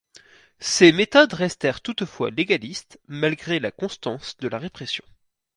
Ses méthodes restèrent toutefois légalistes, malgré la constance de la répression.